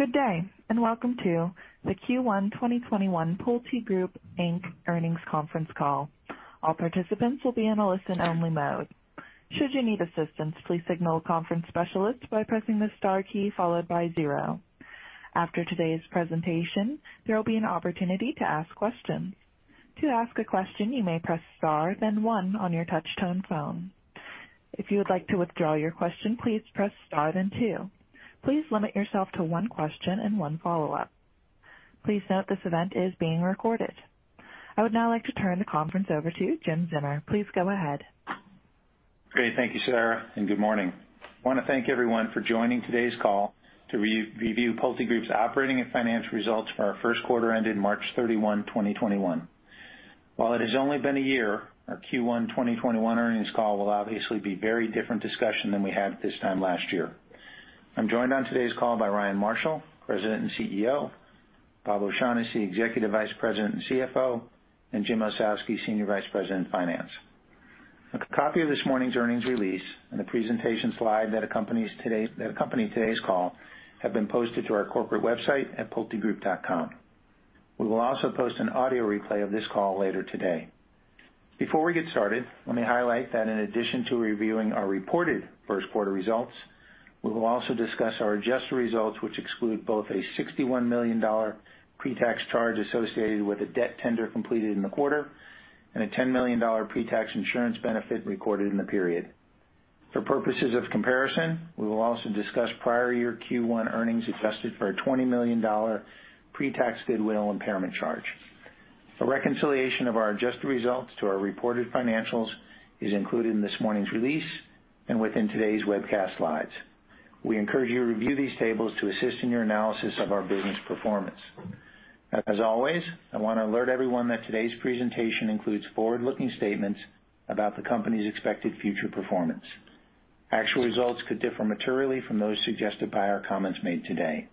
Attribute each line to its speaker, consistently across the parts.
Speaker 1: Good day, and welcome to the Q1 2021 PulteGroup, Inc. earnings conference call. All participants will be in a listen-only mode. Should you need assistance, please signal a conference specialist by pressing the star key followed by zero. After today's presentation, there will be an opportunity to ask questions. To ask a question, you may press star then one on your touch-tone phone. If you would like to withdraw your question, please press star then two. Please limit yourself to one question and one follow-up. Please note this event is being recorded. I would now like to turn the conference over to Jim Zeumer. Please go ahead.
Speaker 2: Great. Thank you, Sarah, and good morning. I want to thank everyone for joining today's call to review PulteGroup's operating and financial results for our first quarter ended March 31, 2021. While it has only been a year, our Q1 2021 earnings call will obviously be very different discussion than we had this time last year. I'm joined on today's call by Ryan Marshall, President and CEO, Bob O'Shaughnessy, Executive Vice President and CFO, and Jim Ossowski, Senior Vice President of Finance. A copy of this morning's earnings release and the presentation slide that accompany today's call have been posted to our corporate website at pultegroup.com. We will also post an audio replay of this call later today. Before we get started, let me highlight that in addition to reviewing our reported first quarter results, we will also discuss our adjusted results, which exclude both a $61 million pre-tax charge associated with a debt tender completed in the quarter and a $10 million pre-tax insurance benefit recorded in the period. For purposes of comparison, we will also discuss prior year Q1 earnings adjusted for a $20 million pre-tax goodwill impairment charge. A reconciliation of our adjusted results to our reported financials is included in this morning's release and within today's webcast slides. We encourage you to review these tables to assist in your analysis of our business performance. As always, I want to alert everyone that today's presentation includes forward-looking statements about the company's expected future performance. Actual results could differ materially from those suggested by our comments made today.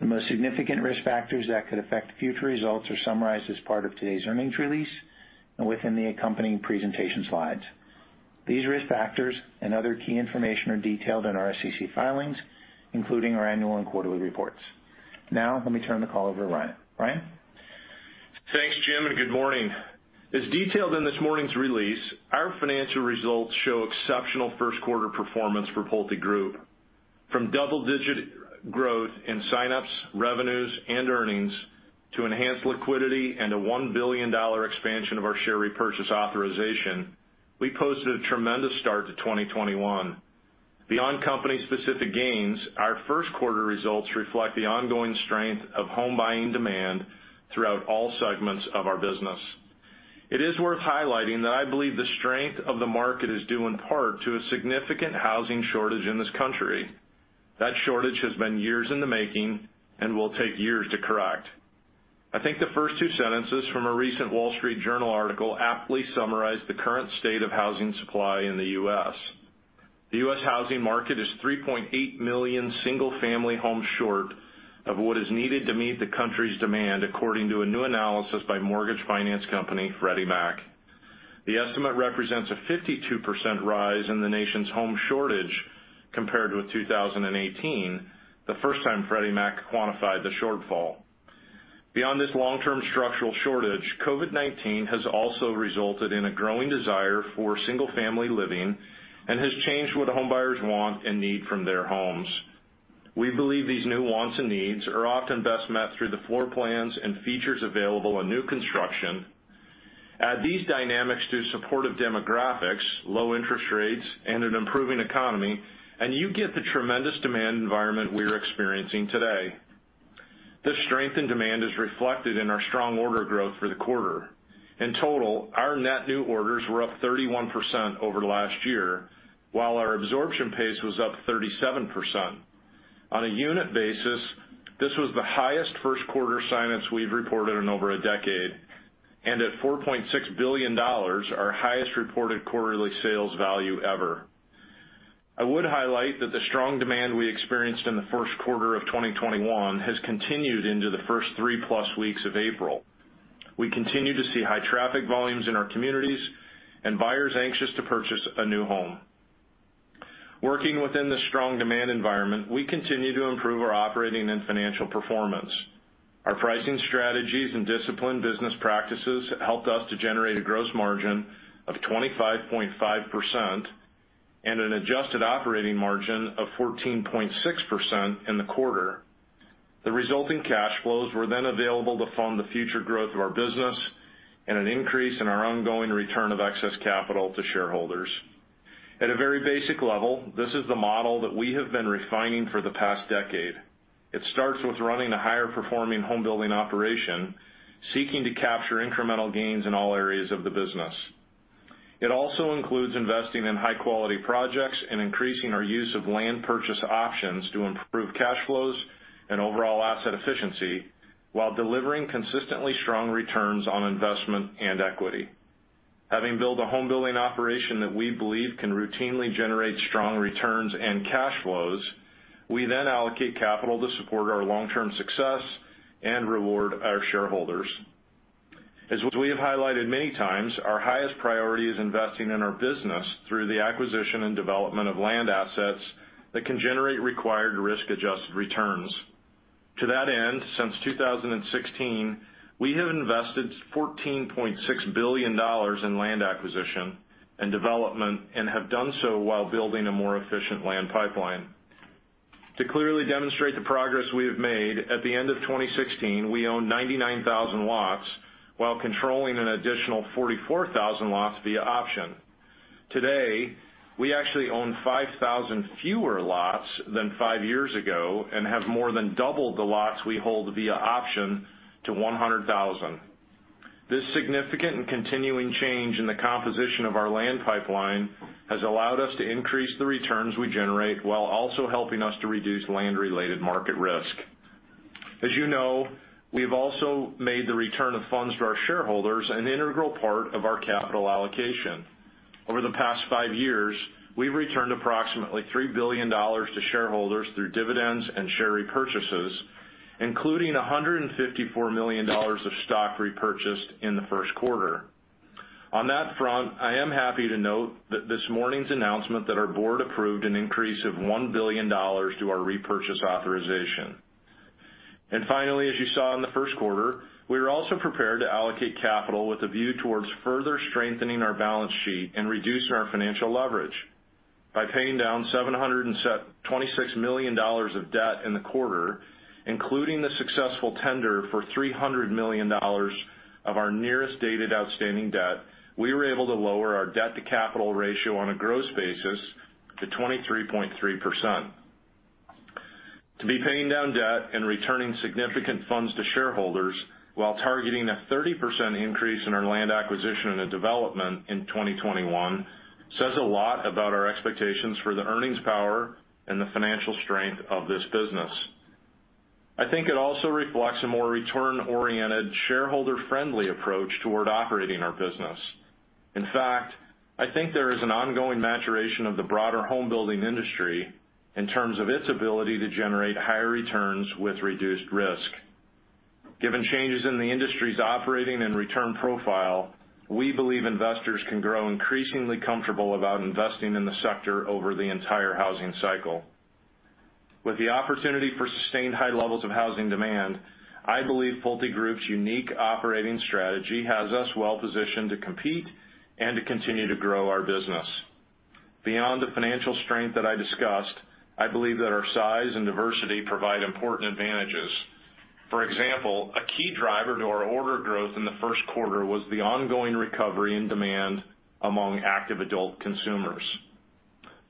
Speaker 2: The most significant risk factors that could affect future results are summarized as part of today's earnings release and within the accompanying presentation slides. These risk factors and other key information are detailed in our SEC filings, including our annual and quarterly reports. Now, let me turn the call over to Ryan. Ryan?
Speaker 3: Thanks, Jim, and good morning. As detailed in this morning's release, our financial results show exceptional first quarter performance for PulteGroup. From double-digit growth in signups, revenues, and earnings to enhanced liquidity and a $1 billion expansion of our share repurchase authorization, we posted a tremendous start to 2021. Beyond company-specific gains, our first quarter results reflect the ongoing strength of home buying demand throughout all segments of our business. It is worth highlighting that I believe the strength of the market is due in part to a significant housing shortage in this country. That shortage has been years in the making and will take years to correct. I think the first two sentences from a recent Wall Street Journal article aptly summarized the current state of housing supply in the U.S. The U.S. housing market is 3.8 million single-family homes short of what is needed to meet the country's demand, according to a new analysis by mortgage finance company Freddie Mac. The estimate represents a 52% rise in the nation's home shortage compared with 2018, the first time Freddie Mac quantified the shortfall. Beyond this long-term structural shortage, COVID-19 has also resulted in a growing desire for single-family living and has changed what home buyers want and need from their homes. We believe these new wants and needs are often best met through the floor plans and features available on new construction. Add these dynamics to supportive demographics, low interest rates, and an improving economy, and you get the tremendous demand environment we're experiencing today. This strength in demand is reflected in our strong order growth for the quarter. In total, our net new orders were up 31% over last year, while our absorption pace was up 37%. On a unit basis, this was the highest first quarter signings we've reported in over a decade. At $4.6 billion, our highest reported quarterly sales value ever. I would highlight that the strong demand we experienced in the first quarter of 2021 has continued into the first three-plus weeks of April. We continue to see high traffic volumes in our communities and buyers anxious to purchase a new home. Working within the strong demand environment, we continue to improve our operating and financial performance. Our pricing strategies and disciplined business practices helped us to generate a gross margin of 25.5% and an adjusted operating margin of 14.6% in the quarter. The resulting cash flows were then available to fund the future growth of our business and an increase in our ongoing return of excess capital to shareholders. At a very basic level, this is the model that we have been refining for the past decade. It starts with running a higher-performing home-building operation, seeking to capture incremental gains in all areas of the business. It also includes investing in high-quality projects and increasing our use of land purchase options to improve cash flows and overall asset efficiency while delivering consistently strong returns on investment and equity. Having built a home-building operation that we believe can routinely generate strong returns and cash flows, we allocate capital to support our long-term success and reward our shareholders. As we have highlighted many times, our highest priority is investing in our business through the acquisition and development of land assets that can generate required risk-adjusted returns. To that end, since 2016, we have invested $14.6 billion in land acquisition and development and have done so while building a more efficient land pipeline. To clearly demonstrate the progress we have made, at the end of 2016, we owned 99,000 lots while controlling an additional 44,000 lots via option. Today, we actually own 5,000 fewer lots than five years ago and have more than doubled the lots we hold via option to 100,000. This significant and continuing change in the composition of our land pipeline has allowed us to increase the returns we generate while also helping us to reduce land-related market risk. As you know, we've also made the return of funds to our shareholders an integral part of our capital allocation. Over the past five years, we've returned approximately $3 billion to shareholders through dividends and share repurchases, including $154 million of stock repurchased in the first quarter. On that front, I am happy to note that this morning's announcement that our board approved an increase of $1 billion to our repurchase authorization. Finally, as you saw in the first quarter, we are also prepared to allocate capital with a view towards further strengthening our balance sheet and reducing our financial leverage. By paying down $726 million of debt in the quarter, including the successful tender for $300 million of our nearest dated outstanding debt, we were able to lower our debt-to-capital ratio on a gross basis to 23.3%. To be paying down debt and returning significant funds to shareholders while targeting a 30% increase in our land acquisition and development in 2021 says a lot about our expectations for the earnings power and the financial strength of this business. I think it also reflects a more return-oriented, shareholder-friendly approach toward operating our business. In fact, I think there is an ongoing maturation of the broader home building industry in terms of its ability to generate higher returns with reduced risk. Given changes in the industry's operating and return profile, we believe investors can grow increasingly comfortable about investing in the sector over the entire housing cycle. With the opportunity for sustained high levels of housing demand, I believe PulteGroup's unique operating strategy has us well positioned to compete and to continue to grow our business. Beyond the financial strength that I discussed, I believe that our size and diversity provide important advantages. For example, a key driver to our order growth in the first quarter was the ongoing recovery in demand among active adult consumers.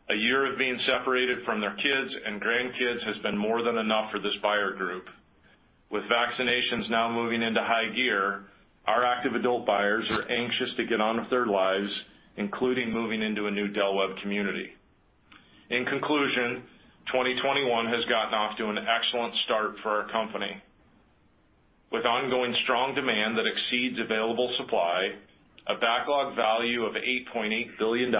Speaker 3: A year of being separated from their kids and grandkids has been more than enough for this buyer group. With vaccinations now moving into high gear, our active adult buyers are anxious to get on with their lives, including moving into a new Del Webb community. In conclusion, 2021 has gotten off to an excellent start for our company. With ongoing strong demand that exceeds available supply, a backlog value of $8.8 billion,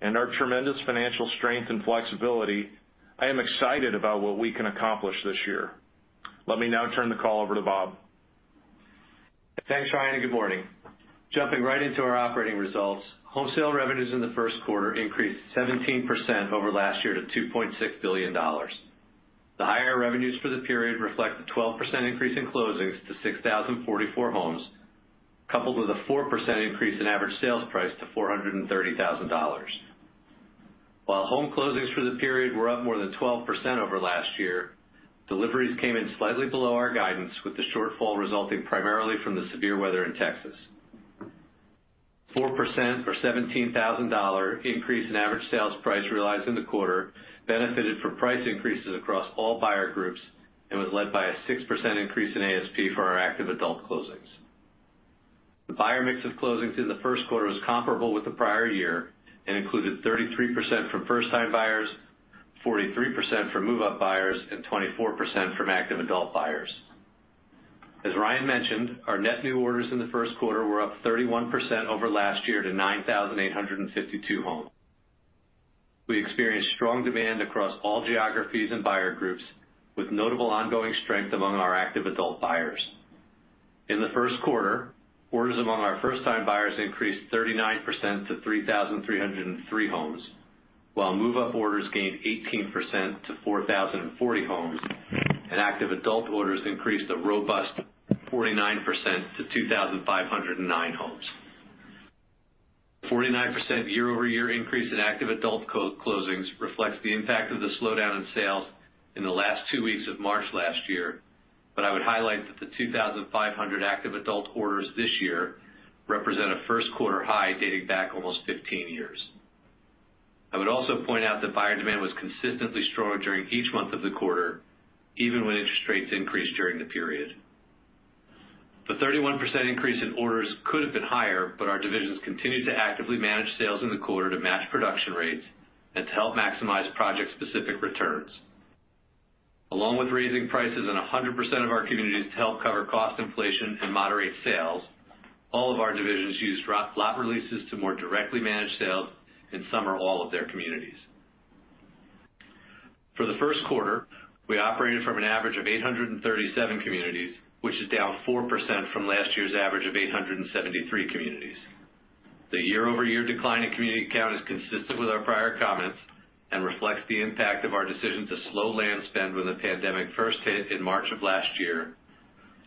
Speaker 3: and our tremendous financial strength and flexibility, I am excited about what we can accomplish this year. Let me now turn the call over to Bob.
Speaker 4: Thanks, Ryan, and good morning. Jumping right into our operating results, home sale revenues in the first quarter increased 17% over last year to $2.6 billion. The higher revenues for the period reflect the 12% increase in closings to 6,044 homes, coupled with a 4% increase in average sales price to $430,000. While home closings for the period were up more than 12% over last year, deliveries came in slightly below our guidance, with the shortfall resulting primarily from the severe weather in Texas. 4% or $17,000 increase in average sales price realized in the quarter benefited from price increases across all buyer groups and was led by a 6% increase in ASP for our active adult closings. The buyer mix of closings in the first quarter was comparable with the prior year and included 33% from first-time buyers, 43% from move-up buyers, and 24% from active adult buyers. As Ryan mentioned, our net new orders in the first quarter were up 31% over last year to 9,852 homes. We experienced strong demand across all geographies and buyer groups, with notable ongoing strength among our active adult buyers. In the first quarter, orders among our first-time buyers increased 39% to 3,303 homes, while move-up orders gained 18% to 4,040 homes, and active adult orders increased a robust 49% to 2,509 homes. 49% year-over-year increase in active adult closings reflects the impact of the slowdown in sales in the last two weeks of March last year, but I would highlight that the 2,500 active adult orders this year represent a first quarter high dating back almost 15 years. I would also point out that buyer demand was consistently strong during each month of the quarter, even when interest rates increased during the period. The 31% increase in orders could have been higher, but our divisions continued to actively manage sales in the quarter to match production rates and to help maximize project-specific returns. Along with raising prices in 100% of our communities to help cover cost inflation and moderate sales, all of our divisions used lot releases to more directly manage sales in some or all of their communities. For the first quarter, we operated from an average of 837 communities, which is down 4% from last year's average of 873 communities. The year-over-year decline in community count is consistent with our prior comments and reflects the impact of our decision to slow land spend when the pandemic first hit in March of last year,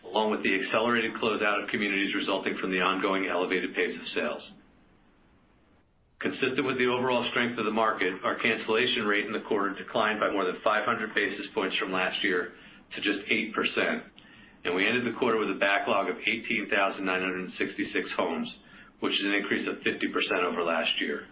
Speaker 4: along with the accelerated closeout of communities resulting from the ongoing elevated pace of sales. Consistent with the overall strength of the market, our cancellation rate in the quarter declined by more than 500 basis points from last year to just 8%, and we ended the quarter with a backlog of 18,966 homes, which is an increase of 50% over last year.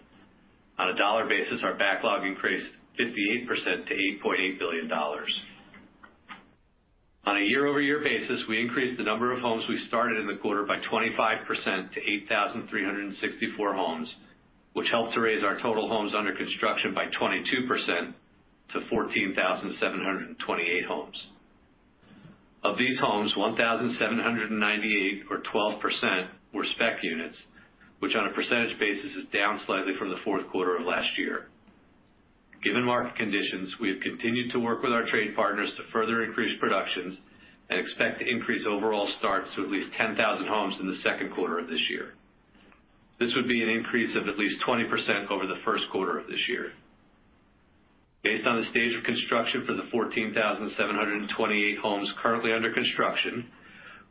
Speaker 4: On a dollar basis, our backlog increased 58% to $8.8 billion. On a year-over-year basis, we increased the number of homes we started in the quarter by 25% to 8,364 homes, which helped to raise our total homes under construction by 22% to 14,728 homes. Of these homes, 1,798 or 12% were spec units, which on a percentage basis is down slightly from the fourth quarter of last year. Given market conditions, we have continued to work with our trade partners to further increase productions and expect to increase overall starts to at least 10,000 homes in the second quarter of this year. This would be an increase of at least 20% over the first quarter of this year. Based on the stage of construction for the 14,728 homes currently under construction,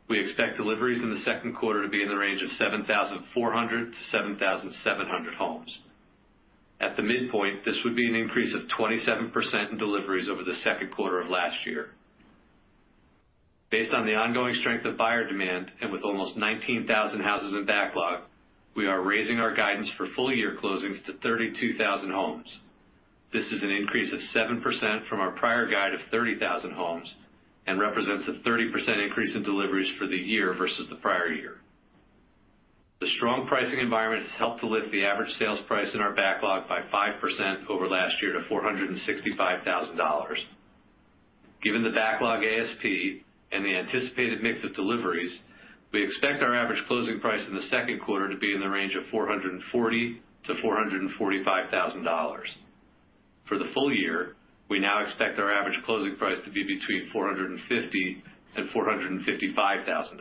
Speaker 4: we expect deliveries in the second quarter to be in the range of 7,400-7,700 homes. At the midpoint, this would be an increase of 27% in deliveries over the second quarter of last year. Based on the ongoing strength of buyer demand and with almost 19,000 houses in backlog, we are raising our guidance for full-year closings to 32,000 homes. This is an increase of 7% from our prior guide of 30,000 homes and represents a 30% increase in deliveries for the year versus the prior year. The strong pricing environment has helped to lift the average sales price in our backlog by 5% over last year to $465,000. Given the backlog ASP and the anticipated mix of deliveries, we expect our average closing price in the second quarter to be in the range of $440,000 to $445,000. For the full year, we now expect our average closing price to be between $450,000 and $455,000.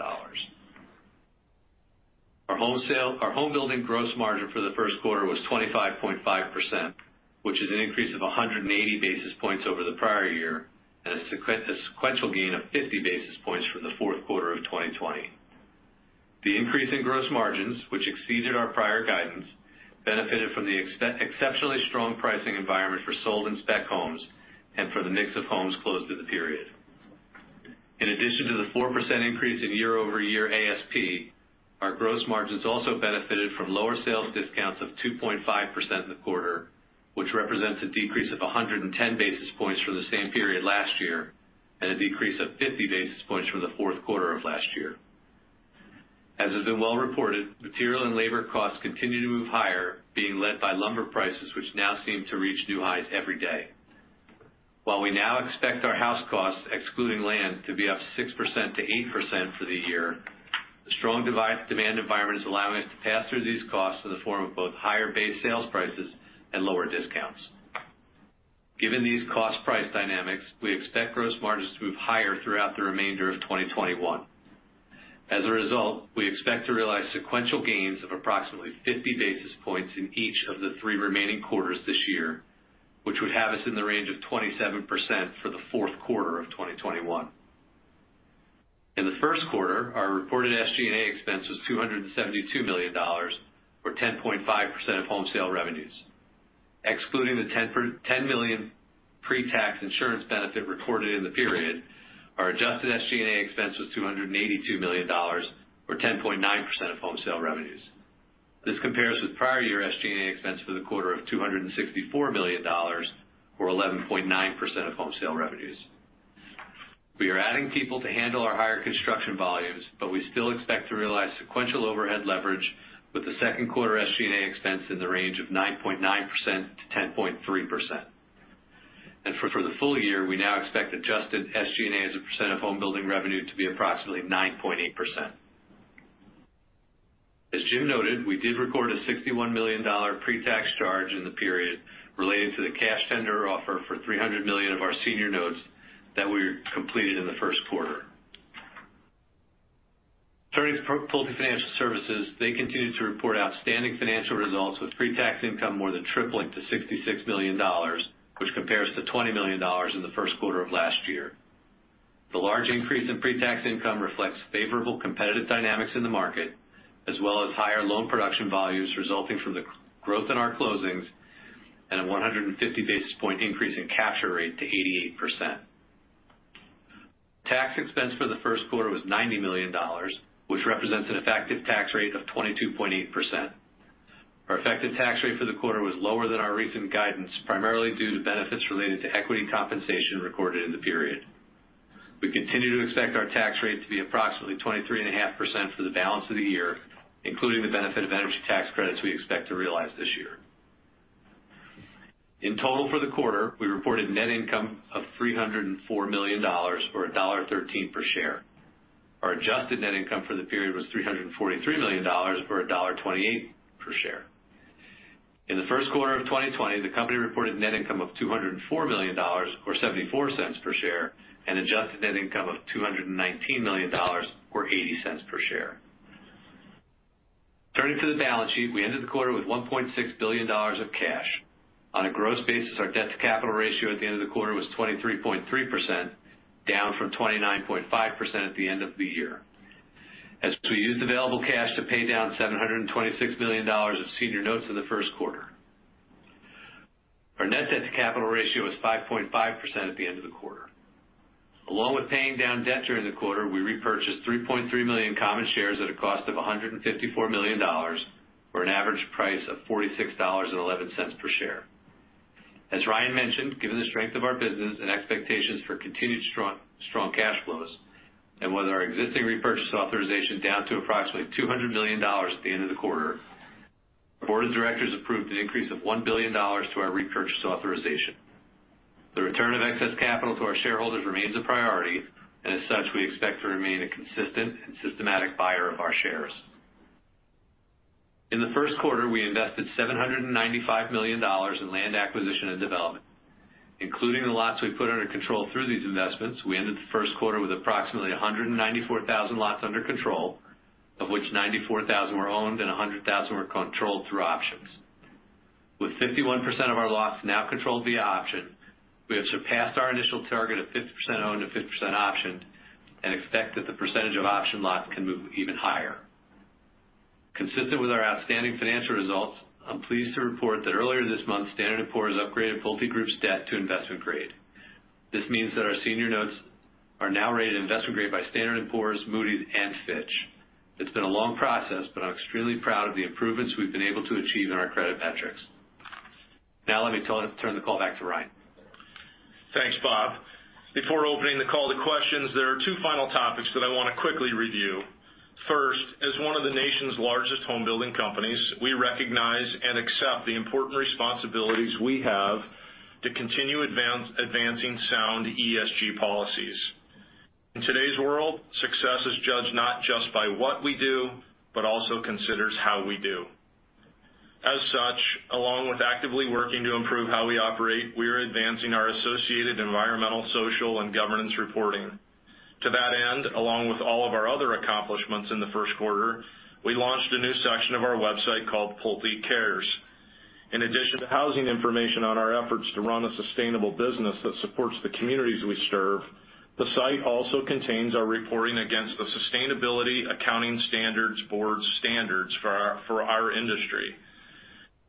Speaker 4: Our home building gross margin for the first quarter was 25.5%, which is an increase of 180 basis points over the prior year and a sequential gain of 50 basis points from the fourth quarter of 2020. The increase in gross margins, which exceeded our prior guidance, benefited from the exceptionally strong pricing environment for sold and spec homes and for the mix of homes closed in the period. In addition to the 4% increase in year-over-year ASP, our gross margins also benefited from lower sales discounts of 2.5% in the quarter, which represents a decrease of 110 basis points from the same period last year and a decrease of 50 basis points from the fourth quarter of last year. As has been well reported, material and labor costs continue to move higher, being led by lumber prices, which now seem to reach new highs every day. While we now expect our house costs, excluding land, to be up 6%-8% for the year, the strong demand environment is allowing us to pass through these costs in the form of both higher base sales prices and lower discounts. Given these cost-price dynamics, we expect gross margins to move higher throughout the remainder of 2021. As a result, we expect to realize sequential gains of approximately 50 basis points in each of the three remaining quarters this year, which would have us in the range of 27% for the fourth quarter of 2021. In the first quarter, our reported SG&A expense was $272 million, or 10.5% of home sale revenues. Excluding the $10 million pre-tax insurance benefit recorded in the period, our adjusted SG&A expense was $282 million, or 10.9% of home sale revenues. This compares with prior year SG&A expense for the quarter of $264 million, or 11.9% of home sale revenues. We are adding people to handle our higher construction volumes, but we still expect to realize sequential overhead leverage with the second quarter SG&A expense in the range of 9.9%-10.3%. For the full year, we now expect adjusted SG&A as a percent of home building revenue to be approximately 9.8%. As Jim noted, we did record a $61 million pre-tax charge in the period related to the cash tender offer for $300 million of our senior notes that we completed in the first quarter. Turning to Pulte Financial Services, they continued to report outstanding financial results with pre-tax income more than tripling to $66 million, which compares to $20 million in the first quarter of last year. The large increase in pre-tax income reflects favorable competitive dynamics in the market, as well as higher loan production volumes resulting from the growth in our closings and a 150 basis point increase in capture rate to 88%. Tax expense for the first quarter was $90 million, which represents an effective tax rate of 22.8%. Our effective tax rate for the quarter was lower than our recent guidance, primarily due to benefits related to equity compensation recorded in the period. We continue to expect our tax rate to be approximately 23.5% for the balance of the year, including the benefit of energy tax credits we expect to realize this year. In total for the quarter, we reported net income of $304 million, or $1.13 per share. Our adjusted net income for the period was $343 million, or $1.28 per share. In the first quarter of 2020, the company reported net income of $204 million or $0.74 per share, and adjusted net income of $219 million or $0.80 per share. Turning to the balance sheet, we ended the quarter with $1.6 billion of cash. On a gross basis, our debt-to-capital ratio at the end of the quarter was 23.3%, down from 29.5% at the end of the year, as we used available cash to pay down $726 million of senior notes in the first quarter. Our net debt-to-capital ratio was 5.5% at the end of the quarter. Along with paying down debt during the quarter, we repurchased 3.3 million common shares at a cost of $154 million, for an average price of $46.11 per share. As Ryan mentioned, given the strength of our business and expectations for continued strong cash flows, and with our existing repurchase authorization down to approximately $200 million at the end of the quarter, our board of directors approved an increase of $1 billion to our repurchase authorization. The return of excess capital to our shareholders remains a priority, and as such, we expect to remain a consistent and systematic buyer of our shares. In the first quarter, we invested $795 million in land acquisition and development. Including the lots we put under control through these investments, we ended the first quarter with approximately 194,000 lots under control, of which 94,000 were owned and 100,000 were controlled through options. With 51% of our lots now controlled via option, we have surpassed our initial target of 50% owned and 50% optioned and expect that the percentage of option lots can move even higher. Consistent with our outstanding financial results, I'm pleased to report that earlier this month, Standard & Poor's upgraded PulteGroup's debt to investment grade. This means that our senior notes are now rated investment grade by Standard & Poor's, Moody's, and Fitch. It's been a long process, but I'm extremely proud of the improvements we've been able to achieve in our credit metrics. Now let me turn the call back to Ryan.
Speaker 3: Thanks, Bob. Before opening the call to questions, there are two final topics that I want to quickly review. First, as one of the nation's largest home building companies, we recognize and accept the important responsibilities we have to continue advancing sound ESG policies. In today's world, success is judged not just by what we do but also considers how we do. Along with actively working to improve how we operate, we are advancing our associated environmental, social, and governance reporting. To that end, along with all of our other accomplishments in the first quarter, we launched a new section of our website called Pulte Cares. In addition to housing information on our efforts to run a sustainable business that supports the communities we serve, the site also contains our reporting against the Sustainability Accounting Standards Board standards for our industry.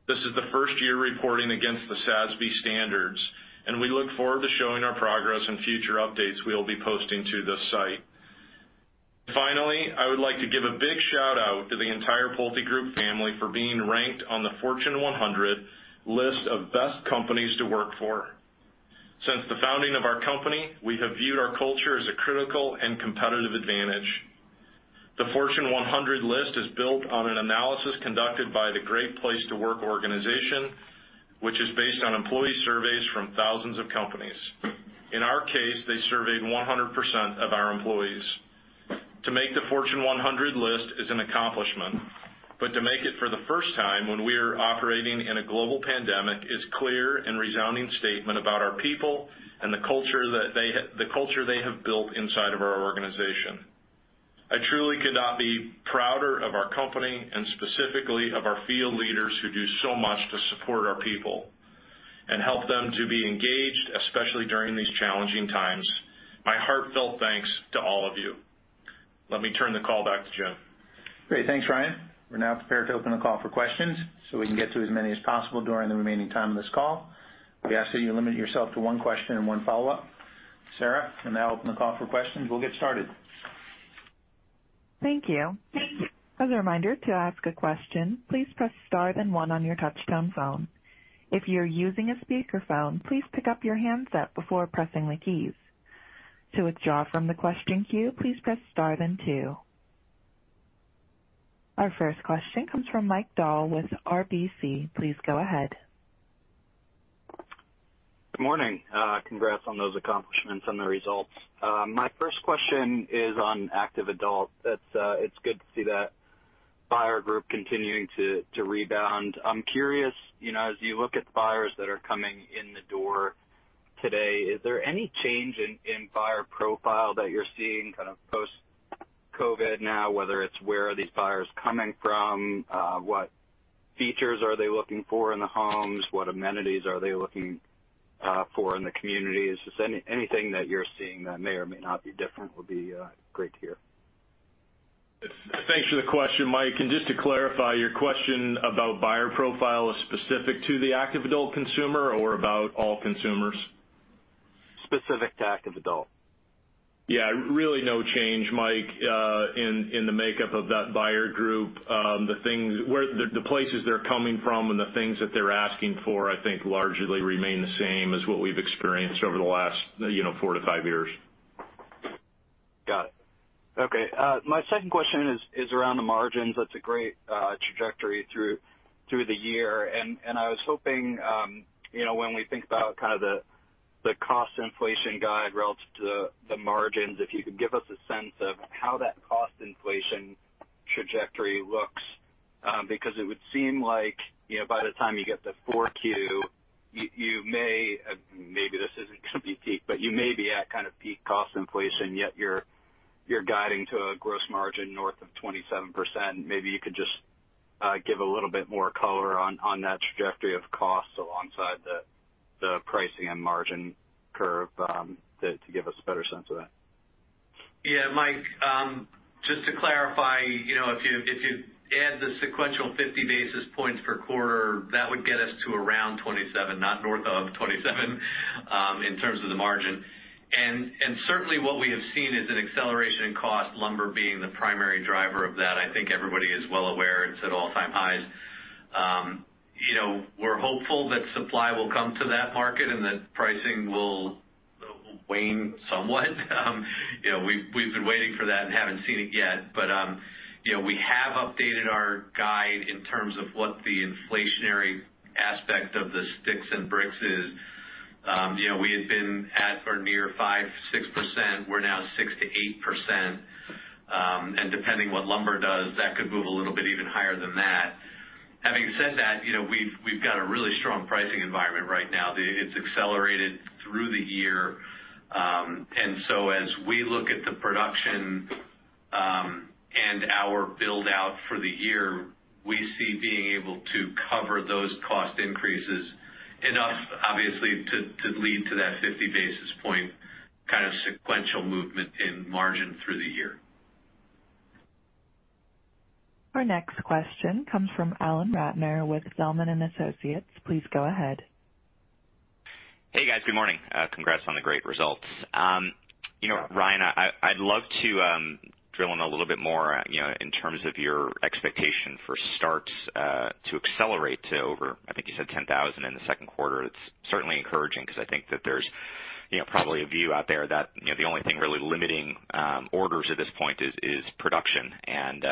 Speaker 3: This is the first-year reporting against the SASB standards, and we look forward to showing our progress in future updates we'll be posting to this site. Finally, I would like to give a big shout-out to the entire PulteGroup family for being ranked on the Fortune 100 Best Companies to Work For. Since the founding of our company, we have viewed our culture as a critical and competitive advantage. The Fortune 100 list is built on an analysis conducted by the Great Place to Work organization, which is based on employee surveys from thousands of companies. In our case, they surveyed 100% of our employees. To make the Fortune 100 list is an accomplishment, but to make it for the first time when we are operating in a global pandemic is clear and resounding statement about our people and the culture they have built inside of our organization. I truly could not be prouder of our company and specifically of our field leaders who do so much to support our people and help them to be engaged, especially during these challenging times. My heartfelt thanks to all of you. Let me turn the call back to Jim.
Speaker 2: Great. Thanks, Ryan. We're now prepared to open the call for questions so we can get to as many as possible during the remaining time of this call. We ask that you limit yourself to one question and one follow-up. Sarah, you may open the call for questions. We'll get started.
Speaker 1: Thank you. As a reminder, to ask a question, please press star then one on your touchtone phone. If you're using a speakerphone, please pick up your handset before pressing the keys. To withdraw from the question queue, please press star then two. Our first question comes from Mike Dahl with RBC. Please go ahead.
Speaker 5: Good morning. Congrats on those accomplishments and the results. My first question is on active adult. It is good to see that buyer group continuing to rebound. I am curious, as you look at buyers that are coming in the door today, is there any change in buyer profile that you are seeing kind of post-COVID-19 now, whether it is where are these buyers coming from? What features are they looking for in the homes? What amenities are they looking for in the communities? Just anything that you are seeing that may or may not be different would be great to hear.
Speaker 3: Thanks for the question, Mike. Just to clarify, your question about buyer profile is specific to the active adult consumer or about all consumers?
Speaker 5: Specific to active adult.
Speaker 3: Yeah, really no change, Mike, in the makeup of that buyer group. The places they're coming from and the things that they're asking for, I think largely remain the same as what we've experienced over the last four to five years.
Speaker 5: Got it. Okay. My second question is around the margins. That's a great trajectory through the year, and I was hoping when we think about kind of the cost inflation guide relative to the margins, if you could give us a sense of how that cost inflation trajectory looks, because it would seem like, by the time you get to 4Q, you may, maybe this isn't going to be peak, but you may be at kind of peak cost inflation, yet you're guiding to a gross margin north of 27%. Maybe you could just give a little bit more color on that trajectory of costs alongside the pricing and margin curve to give us a better sense of that.
Speaker 4: Yeah, Mike, just to clarify, if you add the sequential 50 basis points per quarter, that would get us to around 27, not north of 27 in terms of the margin. And certainly what we have seen is an acceleration in cost, lumber being the primary driver of that. I think everybody is well aware it's at all-time highs. We're hopeful that supply will come to that market and that pricing will wane somewhat. We've been waiting for that and haven't seen it yet. But we have updated our guide in terms of what the inflationary aspect of the sticks and bricks is. We had been at or near 5%-6%. We're now 6%-8%, and depending what lumber does, that could move a little bit even higher than that. Having said that, we've got a really strong pricing environment right now. It's accelerated through the year. As we look at the production and our build-out for the year, we see being able to cover those cost increases enough, obviously, to lead to that 50-basis-point kind of sequential movement in margin through the year.
Speaker 1: Our next question comes from Alan Ratner with Zelman & Associates. Please go ahead.
Speaker 6: Hey, guys. Good morning. Congrats on the great results. Ryan, I'd love to drill in a little bit more in terms of your expectation for starts to accelerate to over, I think you said 10,000 in the second quarter. It's certainly encouraging because I think that there's probably a view out there that the only thing really limiting orders at this point is production and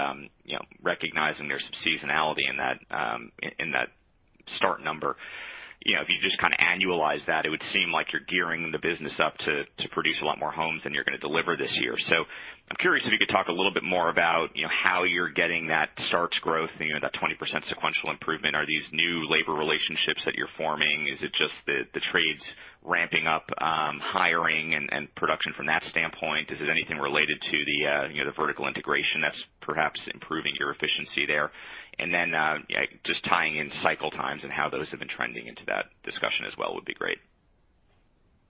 Speaker 6: recognizing there's some seasonality in that start number. If you just kind of annualize that, it would seem like you're gearing the business up to produce a lot more homes than you're going to deliver this year. I'm curious if you could talk a little bit more about how you're getting that starts growth, that 20% sequential improvement. Are these new labor relationships that you're forming? Is it just the trades ramping up hiring and production from that standpoint? Is it anything related to the vertical integration that's perhaps improving your efficiency there? Just tying in cycle times and how those have been trending into that discussion as well would be great.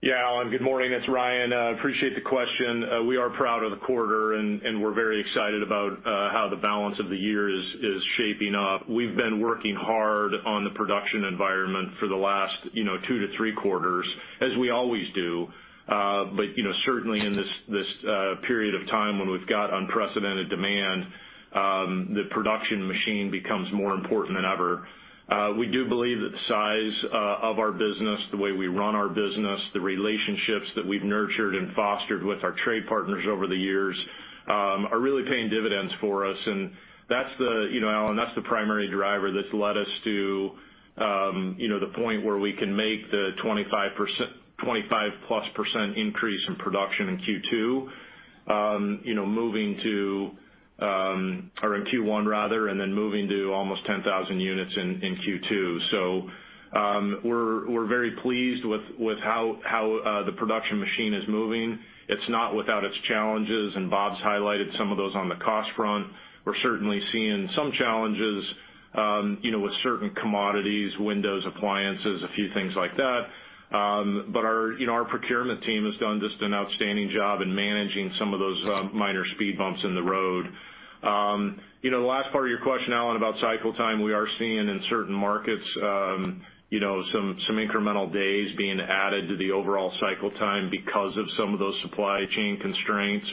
Speaker 3: Yeah, Alan, good morning. It's Ryan. Appreciate the question. We are proud of the quarter, and we're very excited about how the balance of the year is shaping up. We've been working hard on the production environment for the last two to three quarters, as we always do. Certainly in this period of time when we've got unprecedented demand, the production machine becomes more important than ever. We do believe that the size of our business, the way we run our business, the relationships that we've nurtured and fostered with our trade partners over the years are really paying dividends for us. Alan, that's the primary driver that's led us to the point where we can make the 25-plus% increase in production in Q2, or in Q1 rather, and then moving to almost 10,000 units in Q2. We're very pleased with how the production machine is moving. It's not without its challenges, and Bob's highlighted some of those on the cost front. We're certainly seeing some challenges with certain commodities, windows, appliances, a few things like that. Our procurement team has done just an outstanding job in managing some of those minor speed bumps in the road. The last part of your question, Alan, about cycle time, we are seeing in certain markets some incremental days being added to the overall cycle time because of some of those supply chain constraints.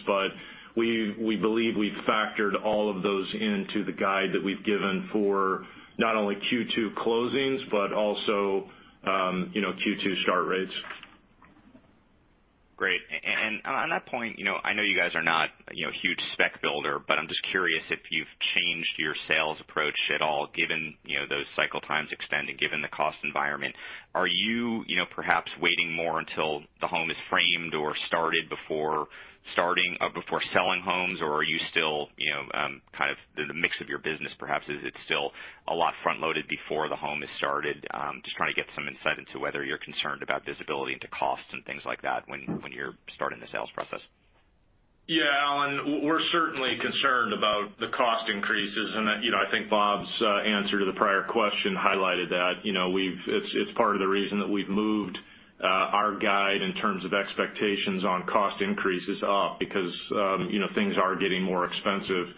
Speaker 3: We believe we've factored all of those into the guide that we've given for not only Q2 closings, but also Q2 start rates.
Speaker 6: Great. On that point, I know you guys are not huge spec builder, but I'm just curious if you've changed your sales approach at all, given those cycle times extending, given the cost environment. Are you perhaps waiting more until the home is framed or started before selling homes, or are you still kind of the mix of your business perhaps, is it still a lot front-loaded before the home is started? Just trying to get some insight into whether you're concerned about visibility into costs and things like that when you're starting the sales process.
Speaker 3: Yeah, Alan, we're certainly concerned about the cost increases, and I think Bob's answer to the prior question highlighted that. It's part of the reason that we've moved our guide in terms of expectations on cost increases up because things are getting more expensive.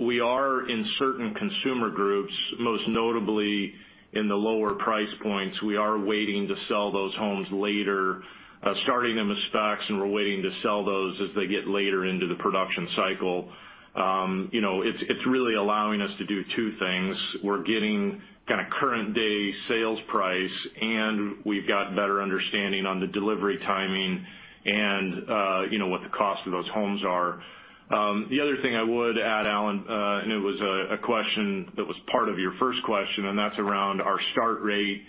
Speaker 3: We are in certain consumer groups, most notably in the lower price points, we are waiting to sell those homes later, starting them as specs, and we're waiting to sell those as they get later into the production cycle. It's really allowing us to do two things. We're getting kind of current day sales price, and we've got better understanding on the delivery timing and what the cost of those homes are. The other thing I would add, Alan, and it was a question that was part of your first question, and that's around our start rate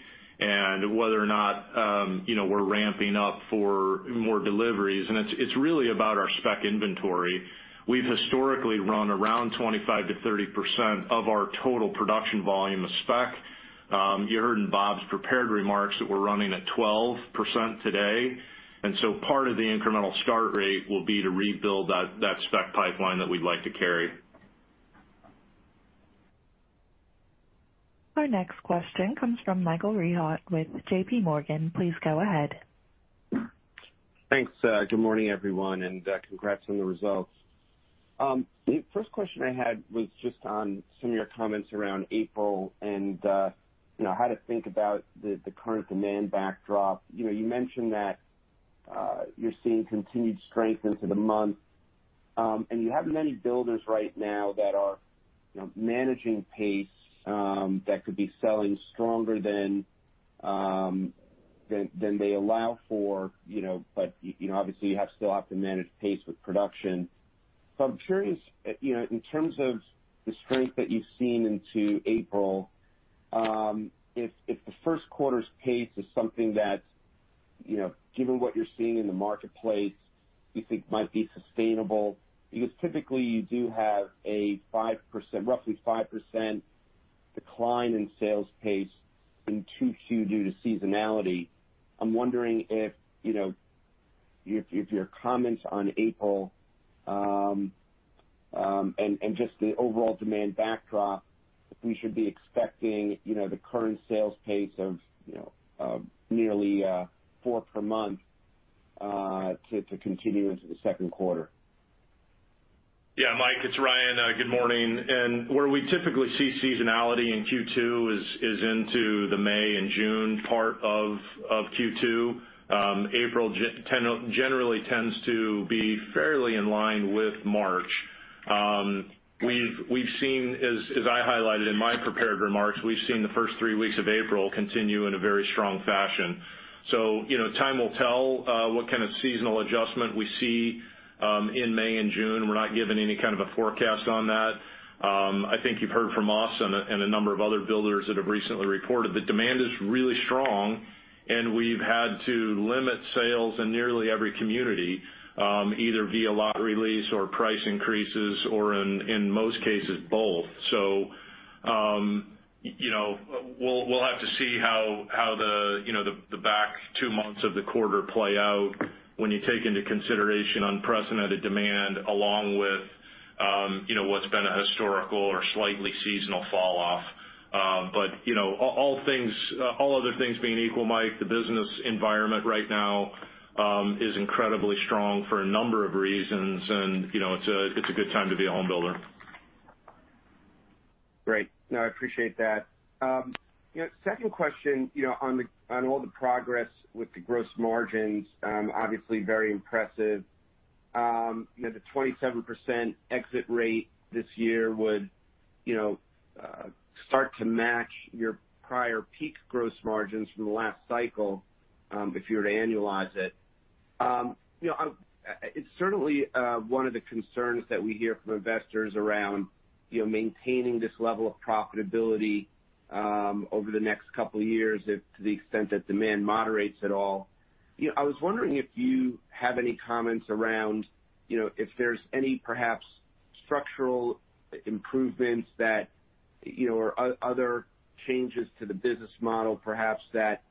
Speaker 3: and whether or not we're ramping up for more deliveries, and it's really about our spec inventory. We've historically run around 25%-30% of our total production volume of spec. You heard in Bob's prepared remarks that we're running at 12% today, and so part of the incremental start rate will be to rebuild that spec pipeline that we'd like to carry.
Speaker 1: Our next question comes from Michael Rehaut with JP Morgan. Please go ahead.
Speaker 7: Thanks. Good morning, everyone. Congrats on the results. The first question I had was just on some of your comments around April and how to think about the current demand backdrop. You mentioned that you're seeing continued strength into the month, you have many builders right now that are managing pace, that could be selling stronger than they allow for, obviously you have still have to manage pace with production. I'm curious, in terms of the strength that you've seen into April, if the first quarter's pace is something that, given what you're seeing in the marketplace, you think might be sustainable. Typically you do have a roughly 5% decline in sales pace in Q2 due to seasonality. I'm wondering if your comments on April, and just the overall demand backdrop, if we should be expecting the current sales pace of nearly four per month to continue into the second quarter?
Speaker 3: Yeah, Mike, it's Ryan. Good morning. Where we typically see seasonality in Q2 is into the May and June part of Q2. April generally tends to be fairly in line with March. As I highlighted in my prepared remarks, we've seen the first three weeks of April continue in a very strong fashion. Time will tell what kind of seasonal adjustment we see in May and June. We're not giving any kind of a forecast on that. I think you've heard from us and a number of other builders that have recently reported that demand is really strong, and we've had to limit sales in nearly every community, either via lot release or price increases or in most cases, both. We'll have to see how the back two months of the quarter play out when you take into consideration unprecedented demand, along with what's been a historical or slightly seasonal fall off. All other things being equal, Mike, the business environment right now is incredibly strong for a number of reasons, and it's a good time to be a home builder.
Speaker 7: Great. No, I appreciate that. Second question, on all the progress with the gross margins, obviously very impressive. The 27% exit rate this year would start to match your prior peak gross margins from the last cycle, if you were to annualize it. It's certainly one of the concerns that we hear from investors around maintaining this level of profitability over the next couple of years to the extent that demand moderates at all. I was wondering if you have any comments around if there's any perhaps structural improvements or other changes to the business model, perhaps, that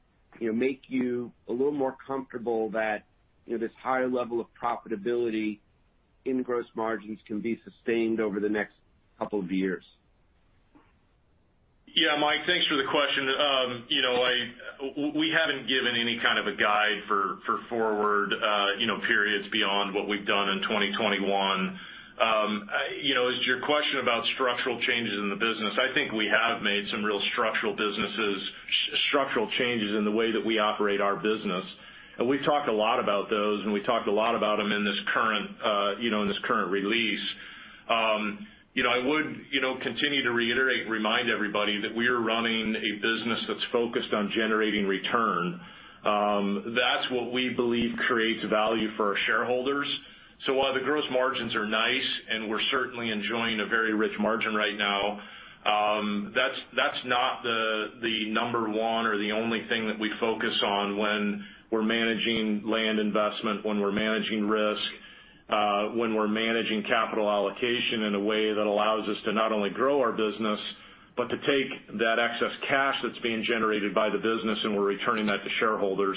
Speaker 7: make you a little more comfortable that this higher level of profitability in gross margins can be sustained over the next couple of years.
Speaker 3: Yeah, Mike, thanks for the question. We haven't given any kind of a guide for forward periods beyond what we've done in 2021. As to your question about structural changes in the business, I think we have made some real structural changes in the way that we operate our business. We've talked a lot about those, and we talked a lot about them in this current release. I would continue to reiterate and remind everybody that we are running a business that's focused on generating return. That's what we believe creates value for our shareholders. While the gross margins are nice and we're certainly enjoying a very rich margin right now, that's not the number one or the only thing that we focus on when we're managing land investment, when we're managing risk, when we're managing capital allocation in a way that allows us to not only grow our business, but to take that excess cash that's being generated by the business, and we're returning that to shareholders.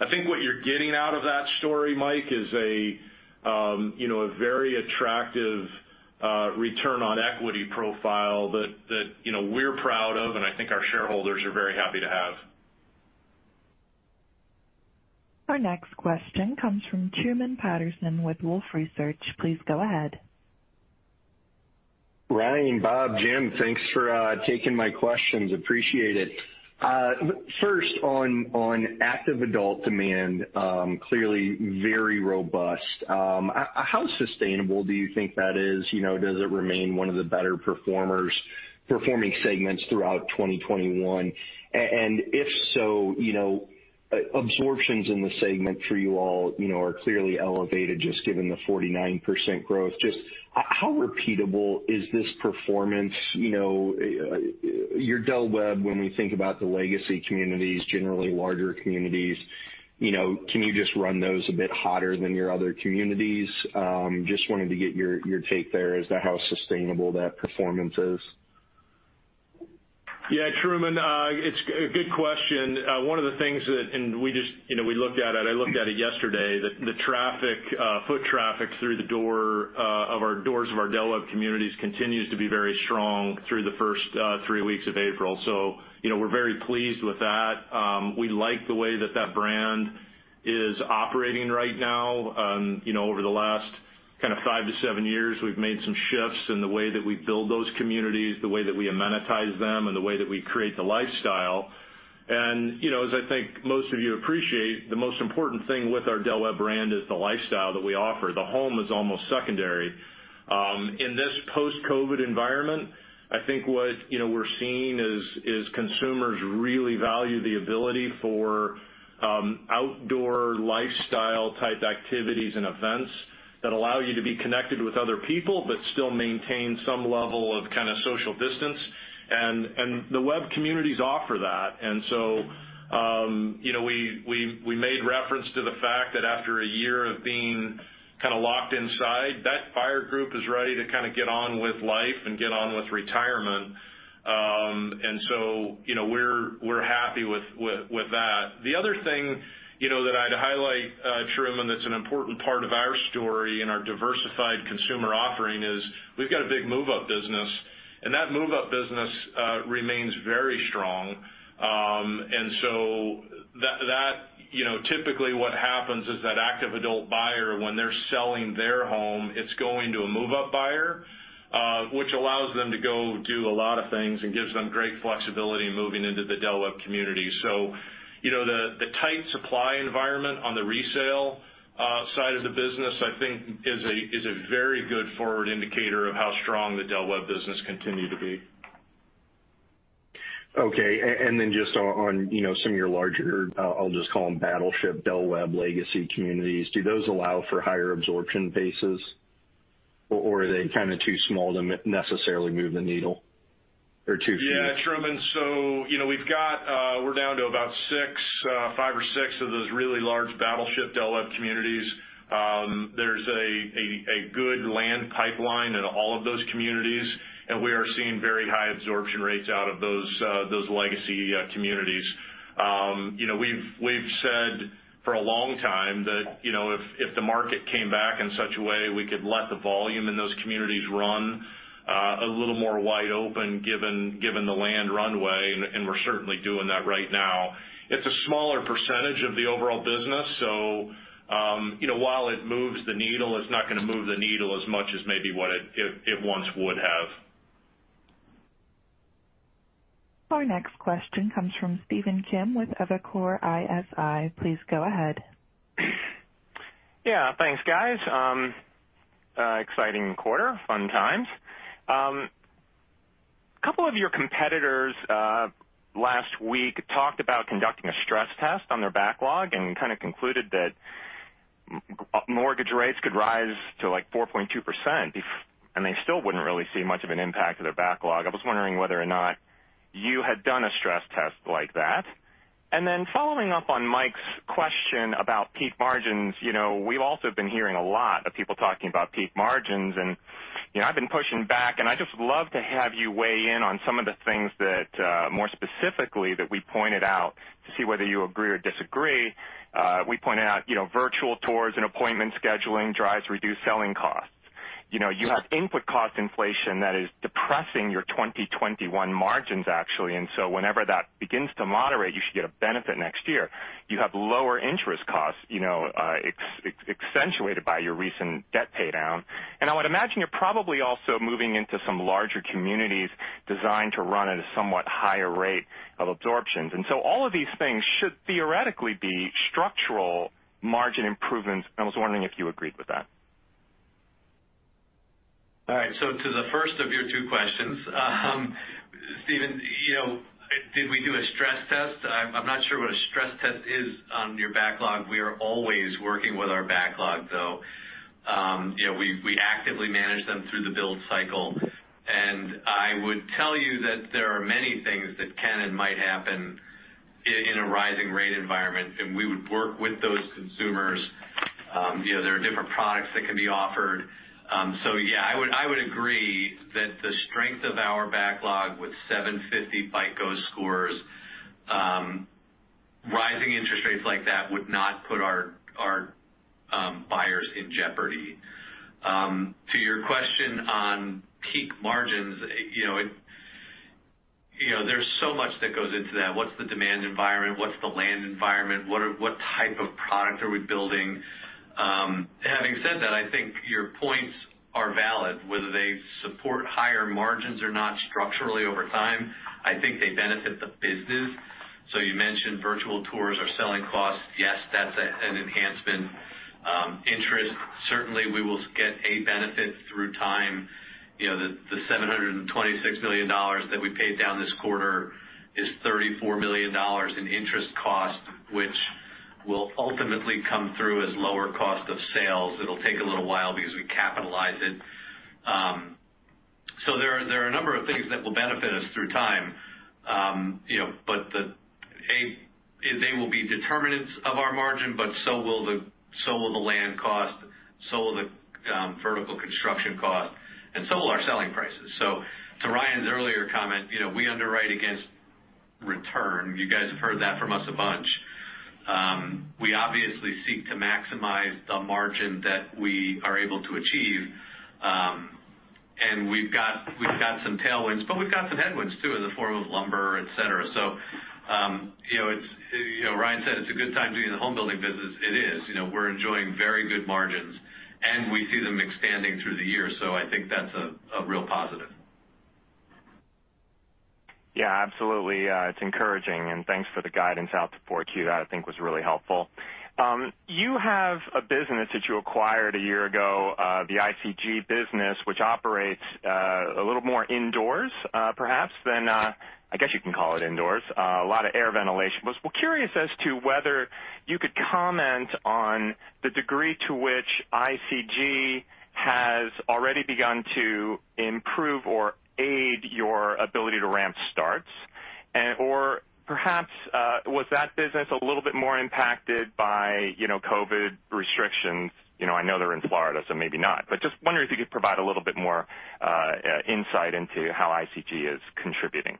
Speaker 3: I think what you're getting out of that story, Mike, is a very attractive return on equity profile that we're proud of, and I think our shareholders are very happy to have.
Speaker 1: Our next question comes from Truman Patterson with Wolfe Research. Please go ahead.
Speaker 8: Ryan, Bob, Jim, thanks for taking my questions. Appreciate it. First on active adult demand, clearly very robust. How sustainable do you think that is? Does it remain one of the better performing segments throughout 2021? If so, absorptions in the segment for you all are clearly elevated just given the 49% growth. Just how repeatable is this performance? Your Del Webb, when we think about the legacy communities, generally larger communities, can you just run those a bit hotter than your other communities? Just wanted to get your take there as to how sustainable that performance is.
Speaker 3: Yeah, Truman, it's a good question. One of the things that, and we looked at it, I looked at it yesterday, the foot traffic through the doors of our Del Webb communities continues to be very strong through the first three weeks of April. We're very pleased with that. We like the way that brand is operating right now. Over the last kind of five to seven years, we've made some shifts in the way that we build those communities, the way that we amenitize them, and the way that we create the lifestyle. As I think most of you appreciate, the most important thing with our Del Webb brand is the lifestyle that we offer. The home is almost secondary. In this post-COVID environment, I think what we're seeing is consumers really value the ability for outdoor lifestyle type activities and events that allow you to be connected with other people, but still maintain some level of kind of social distance. Del Webb communities offer that. We made reference to the fact that after a year of being kind of locked inside, that buyer group is ready to kind of get on with life and get on with retirement. We're happy with that. The other thing that I'd highlight, Truman, that's an important part of our story and our diversified consumer offering is we've got a big move-up business, and that move-up business remains very strong. Typically what happens is that active adult buyer, when they're selling their home, it's going to a move-up buyer, which allows them to go do a lot of things and gives them great flexibility moving into the Del Webb community. The tight supply environment on the resale side of the business, I think is a very good forward indicator of how strong the Del Webb business continue to be.
Speaker 8: Okay. Just on some of your larger, I'll just call them battleship Del Webb legacy communities, do those allow for higher absorption paces or are they kind of too small to necessarily move the needle? Or too few?
Speaker 3: Yeah, Truman, we're down to about five or six of those really large battleship Del Webb communities. There's a good land pipeline in all of those communities, and we are seeing very high absorption rates out of those legacy communities. We've said for a long time that if the market came back in such a way we could let the volume in those communities run a little more wide open given the land runway, and we're certainly doing that right now. It's a smaller percentage of the overall business, so, while it moves the needle, it's not going to move the needle as much as maybe what it once would have.
Speaker 1: Our next question comes from Stephen Kim with Evercore ISI. Please go ahead.
Speaker 9: Yeah, thanks, guys. Exciting quarter. Fun times. Couple of your competitors, last week talked about conducting a stress test on their backlog and kind of concluded that mortgage rates could rise to like 4.2%, and they still wouldn't really see much of an impact to their backlog. I was wondering whether or not you had done a stress test like that? Following up on Mike's question about peak margins, we've also been hearing a lot of people talking about peak margins, and I've been pushing back, and I'd just love to have you weigh in on some of the things that, more specifically, that we pointed out to see whether you agree or disagree. We pointed out, virtual tours and appointment scheduling drives reduce selling costs. You have input cost inflation that is depressing your 2021 margins, actually, and so whenever that begins to moderate, you should get a benefit next year. You have lower interest costs, accentuated by your recent debt paydown. I would imagine you're probably also moving into some larger communities designed to run at a somewhat higher rate of absorption. All of these things should theoretically be structural margin improvements, and I was wondering if you agreed with that.
Speaker 3: All right. To the first of your two questions, Stephen, did we do a stress test? I'm not sure what a stress test is on your backlog. We are always working with our backlog, though. We actively manage them through the build cycle. I would tell you that there are many things that can and might happen in a rising rate environment, and we would work with those consumers. There are different products that can be offered. Yeah, I would agree that the strength of our backlog with 750 FICO scores, rising interest rates like that would not put our buyers in jeopardy. To your question on peak margins, there's so much that goes into that. What's the demand environment? What's the land environment? What type of product are we building?
Speaker 4: Having said that, I think your points are valid, whether they support higher margins or not structurally over time, I think they benefit the business. You mentioned virtual tours are selling costs. Yes, that's an enhancement. Interest, certainly we will get a benefit through time. The $726 million that we paid down this quarter is $34 million in interest cost, which will ultimately come through as lower cost of sales. It'll take a little while because we capitalize it. There are a number of things that will benefit us through time. They will be determinants of our margin, but so will the land cost, so will the vertical construction cost, and so will our selling prices. To Ryan's earlier comment, we underwrite against return. You guys have heard that from us a bunch. We obviously seek to maximize the margin that we are able to achieve. We've got some tailwinds, but we've got some headwinds, too, in the form of lumber, et cetera. Ryan said it's a good time to be in the home building business. It is. We're enjoying very good margins, and we see them expanding through the year. I think that's a real positive.
Speaker 9: Yeah, absolutely. It's encouraging, thanks for the guidance out to 4Q. That, I think, was really helpful. You have a business that you acquired a year ago, the ICG business, which operates a little more indoors, perhaps, than I guess you can call it indoors. A lot of air ventilation. Was curious as to whether you could comment on the degree to which ICG has already begun to improve or aid your ability to ramp starts, or perhaps, was that business a little bit more impacted by COVID-19 restrictions? I know they're in Florida, maybe not. Just wondering if you could provide a little bit more insight into how ICG is contributing.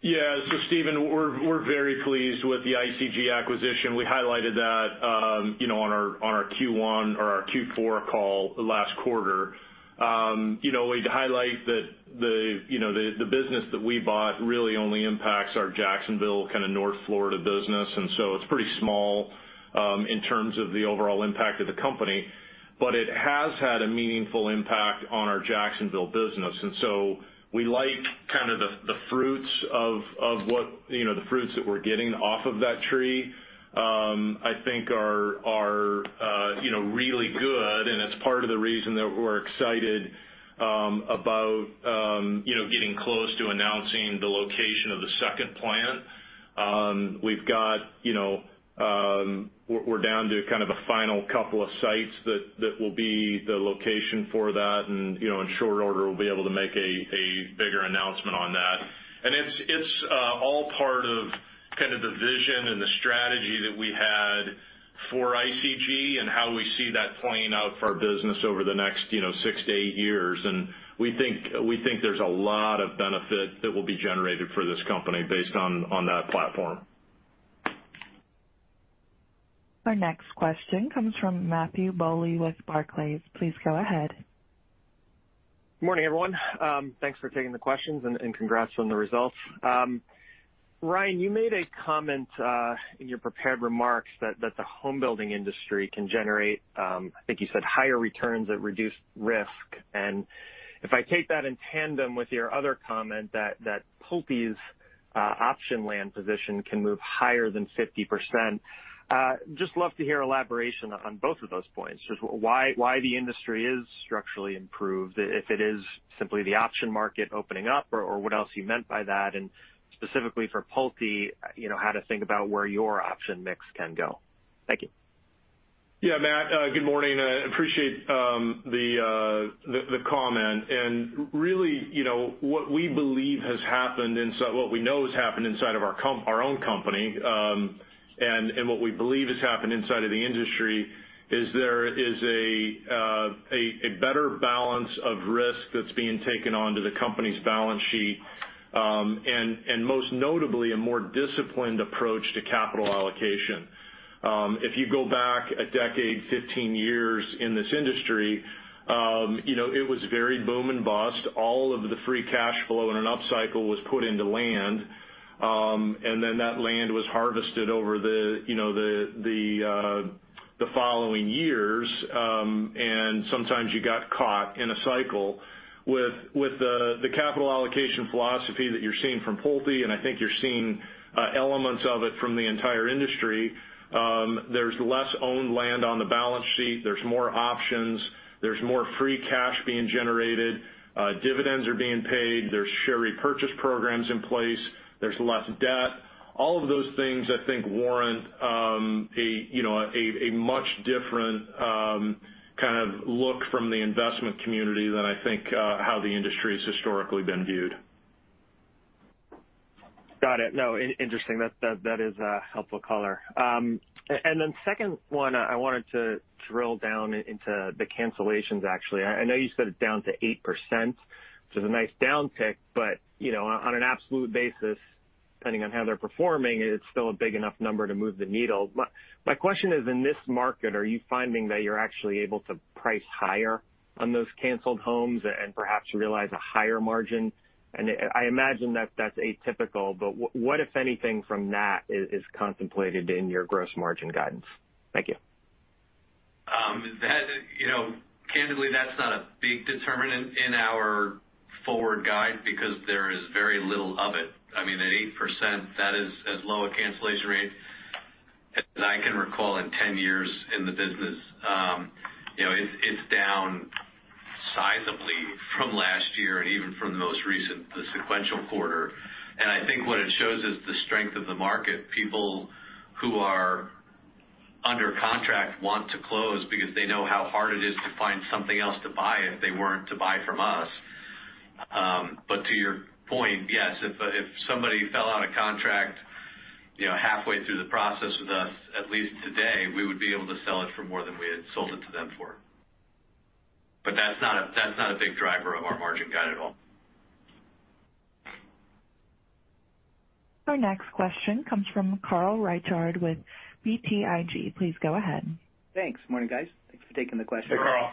Speaker 3: Yeah. Stephen, we're very pleased with the ICG acquisition. We highlighted that on our Q4 call last quarter. We'd highlight that the business that we bought really only impacts our Jacksonville kind of North Florida business, and so it's pretty small in terms of the overall impact of the company. It has had a meaningful impact on our Jacksonville business. We like the fruits that we're getting off of that tree, I think are really good, and it's part of the reason that we're excited about getting close to announcing the location of the second plant. We're down to kind of a final couple of sites that will be the location for that, and in short order, we'll be able to make a bigger announcement on that. It's all part of the vision and the strategy that we had for ICG and how we see that playing out for our business over the next six to eight years. We think there's a lot of benefit that will be generated for this company based on that platform.
Speaker 1: Our next question comes from Matthew Bouley with Barclays. Please go ahead.
Speaker 10: Good morning, everyone. Thanks for taking the questions and congrats on the results. Ryan, you made a comment in your prepared remarks that the home building industry can generate, I think you said higher returns at reduced risk. If I take that in tandem with your other comment that Pulte's option land position can move higher than 50%, just love to hear elaboration on both of those points. Just why the industry is structurally improved, if it is simply the option market opening up, or what else you meant by that, and specifically for Pulte, how to think about where your option mix can go. Thank you.
Speaker 3: Yeah, Matt. Good morning. I appreciate the comment. Really, what we know has happened inside of our own company, and what we believe has happened inside of the industry is there is a better balance of risk that's being taken onto the company's balance sheet. Most notably, a more disciplined approach to capital allocation. If you go back a decade, 15 years in this industry, it was very boom and bust. All of the free cash flow in an upcycle was put into land, then that land was harvested over the following years, sometimes you got caught in a cycle. With the capital allocation philosophy that you're seeing from Pulte, I think you're seeing elements of it from the entire industry, there's less owned land on the balance sheet. There's more options. There's more free cash being generated. Dividends are being paid. There's share repurchase programs in place. There's less debt. All of those things, I think, warrant a much different kind of look from the investment community than I think how the industry has historically been viewed.
Speaker 10: Got it. Interesting. That is a helpful color. Second one, I wanted to drill down into the cancellations, actually. I know you said it's down to 8%, which is a nice downtick. On an absolute basis, depending on how they're performing, it's still a big enough number to move the needle. My question is, in this market, are you finding that you're actually able to price higher on those canceled homes and perhaps realize a higher margin? I imagine that's atypical. What, if anything, from that is contemplated in your gross margin guidance? Thank you.
Speaker 4: Candidly, that's not a big determinant in our forward guide because there is very little of it. I mean, at 8%, that is as low a cancellation rate as I can recall in 10 years in the business. It's down sizably from last year and even from the most recent sequential quarter. I think what it shows is the strength of the market. People who are. Under contract want to close because they know how hard it is to find something else to buy if they weren't to buy from us. To your point, yes, if somebody fell out of contract halfway through the process with us, at least today, we would be able to sell it for more than we had sold it to them for. That's not a big driver of our margin guide at all.
Speaker 1: Our next question comes from Carl Reichardt with BTIG. Please go ahead.
Speaker 11: Thanks. Morning, guys. Thanks for taking the question.
Speaker 3: Hey, Carl.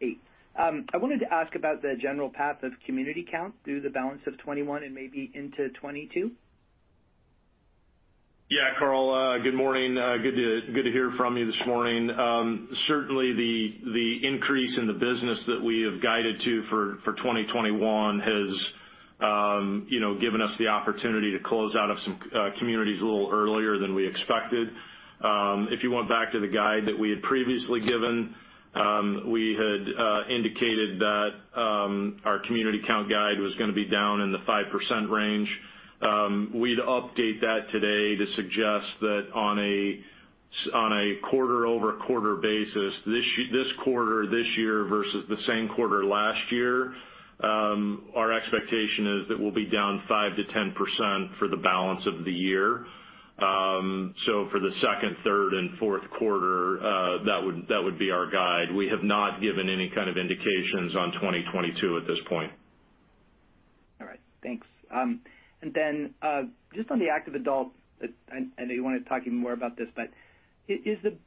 Speaker 11: Hey. I wanted to ask about the general path of community count through the balance of 2021 and maybe into 2022.
Speaker 3: Yeah, Carl. Good morning. Good to hear from you this morning. The increase in the business that we have guided to for 2021 has given us the opportunity to close out of some communities a little earlier than we expected. If you went back to the guide that we had previously given, we had indicated that our community count guide was going to be down in the 5% range. We'd update that today to suggest that on a quarter-over-quarter basis, this quarter, this year versus the same quarter last year, our expectation is that we'll be down 5%-10% for the balance of the year. For the second, third, and fourth quarter, that would be our guide. We have not given any kind of indications on 2022 at this point.
Speaker 11: All right. Thanks. Just on the active adult, I know you want to talk even more about this, but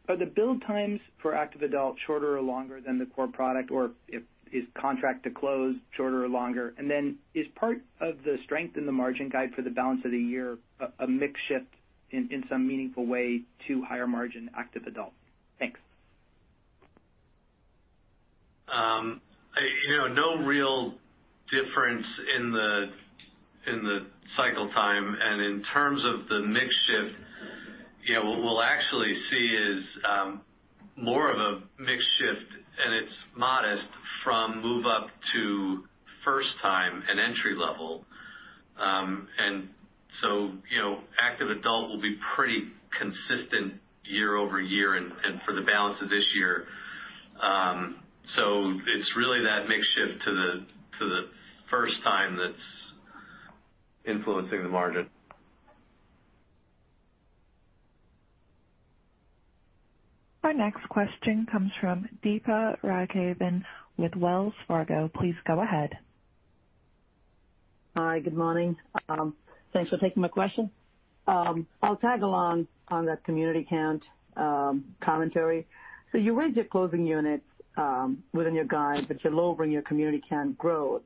Speaker 11: are the build times for active adult shorter or longer than the core product, or is contract to close shorter or longer? Is part of the strength in the margin guide for the balance of the year a mix shift in some meaningful way to higher margin active adult? Thanks.
Speaker 4: No real difference in the cycle time. In terms of the mix shift, what we'll actually see is more of a mix shift, and it's modest, from move-up to first-time and entry-level. Active Adult will be pretty consistent year-over-year and for the balance of this year. It's really that mix shift to the first-time that's influencing the margin.
Speaker 1: Our next question comes from Deepa Raghavan with Wells Fargo. Please go ahead.
Speaker 12: Hi. Good morning. Thanks for taking my question. I'll tag along on that community count commentary. You raised your closing units within your guide, but you're lowering your community count growth,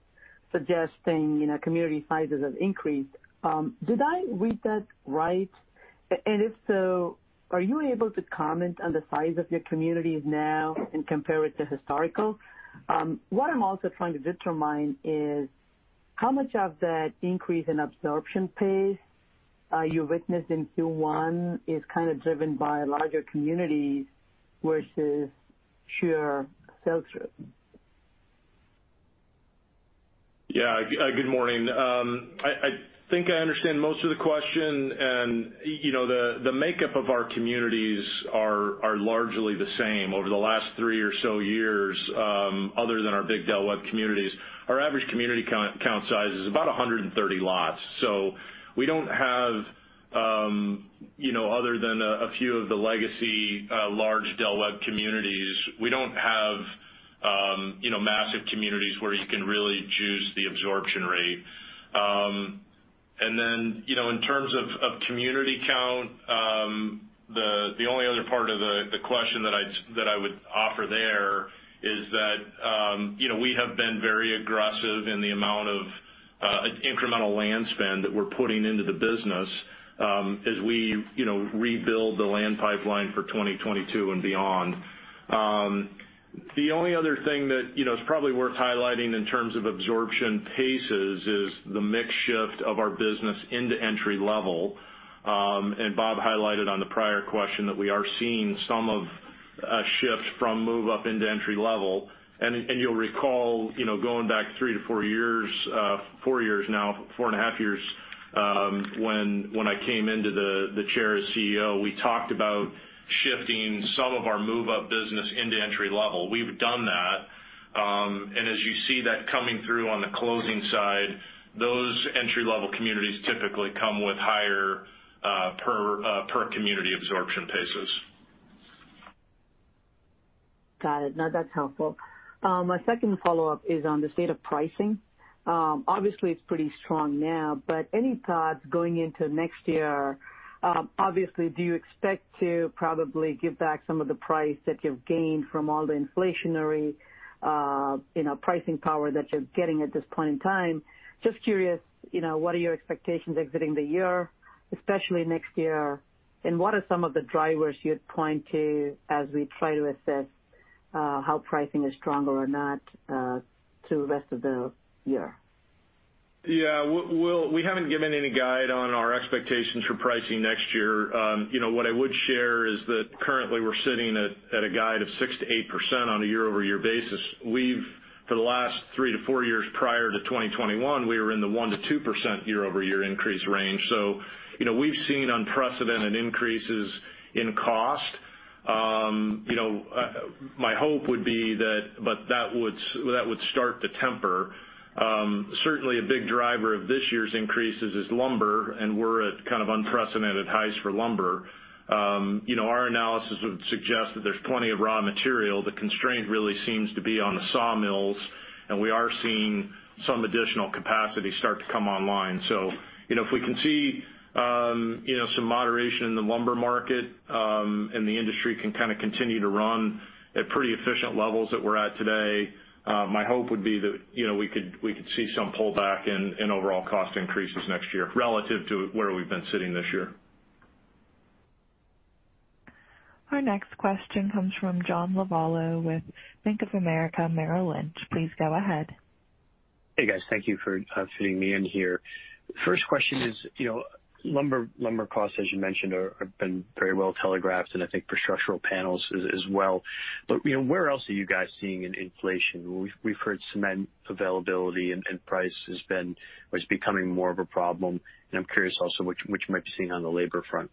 Speaker 12: suggesting community sizes have increased. Did I read that right? If so, are you able to comment on the size of your communities now and compare it to historical? What I'm also trying to determine is how much of that increase in absorption pace you witnessed in Q1 is kind of driven by larger communities versus sheer sales growth.
Speaker 3: Yeah. Good morning. I think I understand most of the question. The makeup of our communities are largely the same over the last three or so years, other than our big Del Webb communities. Our average community count size is about 130 lots. We don't have, other than a few of the legacy large Del Webb communities, we don't have massive communities where you can really juice the absorption rate. In terms of community count, the only other part of the question that I would offer there is that we have been very aggressive in the amount of incremental land spend that we're putting into the business as we rebuild the land pipeline for 2022 and beyond. The only other thing that is probably worth highlighting in terms of absorption paces is the mix shift of our business into entry level. Bob highlighted on the prior question that we are seeing some of a shift from move-up into entry level. You'll recall, going back three to four years, four years now, four and a half years, when I came into the chair as CEO, we talked about shifting some of our move-up business into entry level. We've done that. As you see that coming through on the closing side, those entry-level communities typically come with higher per community absorption paces.
Speaker 12: Got it. No, that's helpful. My second follow-up is on the state of pricing. Obviously, it's pretty strong now, but any thoughts going into next year? Obviously, do you expect to probably give back some of the price that you've gained from all the inflationary pricing power that you're getting at this point in time? Just curious, what are your expectations exiting the year, especially next year, and what are some of the drivers you'd point to as we try to assess how pricing is stronger or not through the rest of the year?
Speaker 3: Yeah. Well, we haven't given any guide on our expectations for pricing next year. What I would share is that currently we're sitting at a guide of 6%-8% on a year-over-year basis. We've, for the last three to four years prior to 2021, we were in the 1%-2% year-over-year increase range. So, we've seen unprecedented increases in cost. My hope would be that would start to temper. Certainly, a big driver of this year's increases is lumber, and we're at kind of unprecedented highs for lumber. Our analysis would suggest that there's plenty of raw material. The constraint really seems to be on the sawmills, and we are seeing some additional capacity start to come online. If we can see some moderation in the lumber market, and the industry can kind of continue to run at pretty efficient levels that we're at today, my hope would be that we could see some pullback in overall cost increases next year relative to where we've been sitting this year.
Speaker 1: Our next question comes from John Lovallo with Bank of America Merrill Lynch. Please go ahead.
Speaker 13: Hey, guys. Thank you for fitting me in here. First question is, lumber costs, as you mentioned, have been very well telegraphed, and I think for structural panels as well. Where else are you guys seeing an inflation? We've heard cement availability and price is becoming more of a problem, and I'm curious also what you might be seeing on the labor front.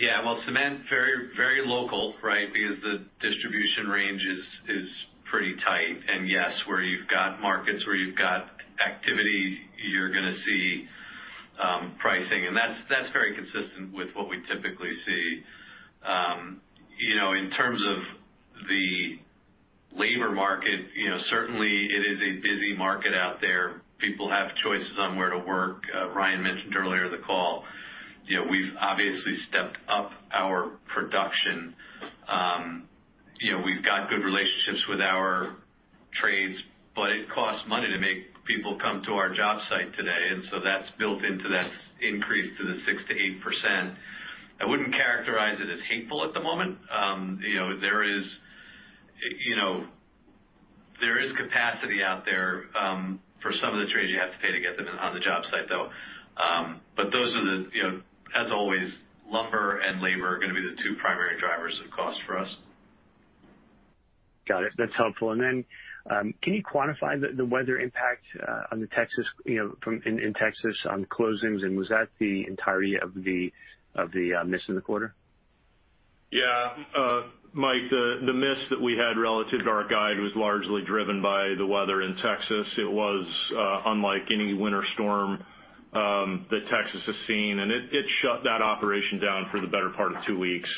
Speaker 4: Yeah. Well, cement, very local, right? Because the distribution range is pretty tight. Yes, where you've got markets, where you've got activity, you're going to see pricing. That's very consistent with what we typically see. In terms of the labor market, certainly it is a busy market out there. People have choices on where to work. Ryan mentioned earlier in the call, we've obviously stepped up our production. We've got good relationships with our trades, but it costs money to make people come to our job site today. That's built into that increase to the 6%-8%. I wouldn't characterize it as hateful at the moment. There is capacity out there. For some of the trades, you have to pay to get them on the job site, though. As always, lumber and labor are going to be the two primary drivers of cost for us.
Speaker 13: Got it. That's helpful. Can you quantify the weather impact in Texas on closings, and was that the entirety of the miss in the quarter?
Speaker 3: Yeah. Mike, the miss that we had relative to our guide was largely driven by the weather in Texas. It was unlike any winter storm that Texas has seen, and it shut that operation down for the better part of two weeks.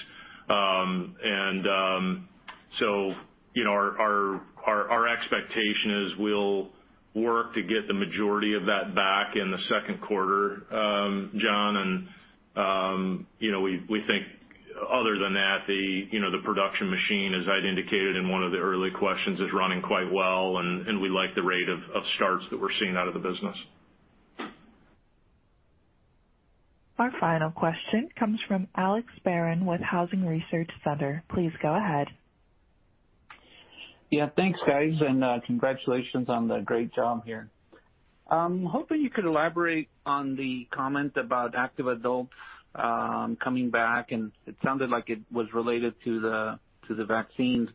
Speaker 3: Our expectation is we'll work to get the majority of that back in the second quarter, John. We think other than that, the production machine, as I'd indicated in one of the early questions, is running quite well, and we like the rate of starts that we're seeing out of the business.
Speaker 1: Our final question comes from Alex Barron with Housing Research Center. Please go ahead.
Speaker 14: Yeah. Thanks, guys, and congratulations on the great job here. Hoping you could elaborate on the comment about active adults coming back, and it sounded like it was related to the vaccines.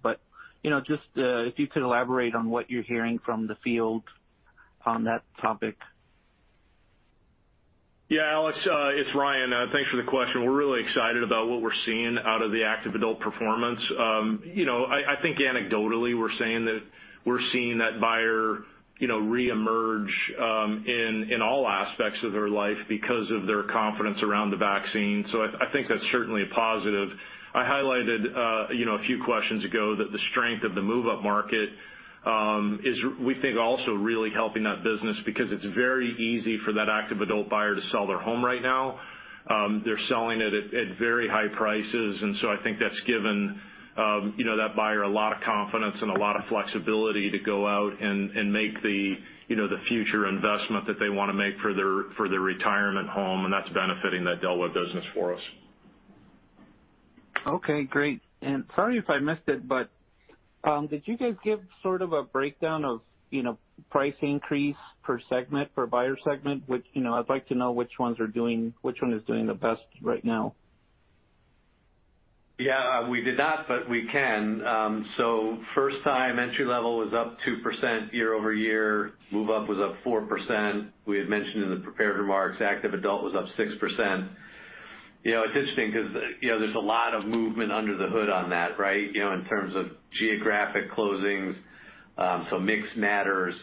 Speaker 14: Just if you could elaborate on what you're hearing from the field on that topic.
Speaker 3: Yeah, Alex, it's Ryan. Thanks for the question. We're really excited about what we're seeing out of the active adult performance. I think anecdotally, we're saying that we're seeing that buyer reemerge in all aspects of their life because of their confidence around the vaccine. I think that's certainly a positive. I highlighted a few questions ago that the strength of the move-up market is, we think, also really helping that business because it's very easy for that active adult buyer to sell their home right now. They're selling it at very high prices. I think that's given that buyer a lot of confidence and a lot of flexibility to go out and make the future investment that they want to make for their retirement home. That's benefiting that Del Webb business for us.
Speaker 14: Okay, great. Sorry if I missed it, but did you guys give sort of a breakdown of price increase per buyer segment? I'd like to know which one is doing the best right now.
Speaker 4: Yeah. We did not, but we can. First-time entry level was up 2% year-over-year. Move-up was up 4%. We had mentioned in the prepared remarks, active adult was up 6%. It's interesting because there's a lot of movement under the hood on that, right? In terms of geographic closings. Mix matters.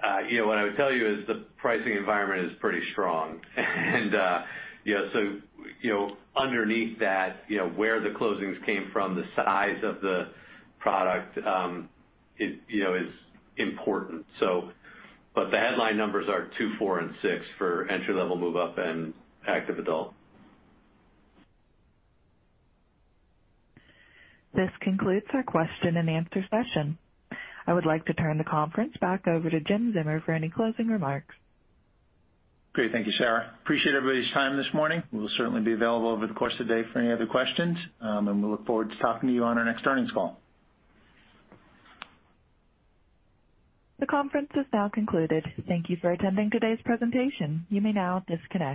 Speaker 4: What I would tell you is the pricing environment is pretty strong. Underneath that, where the closings came from, the size of the product is important. The headline numbers are two, four, and six for entry level, move-up, and active adult.
Speaker 1: This concludes our question-and-answer session. I would like to turn the conference back over to Jim Zeumer for any closing remarks.
Speaker 2: Great. Thank you, Sarah. Appreciate everybody's time this morning. We'll certainly be available over the course of the day for any other questions, and we look forward to talking to you on our next earnings call.
Speaker 1: The conference is now concluded. Thank you for attending today's presentation. You may now disconnect.